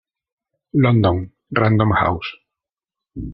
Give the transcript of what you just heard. London: Random House.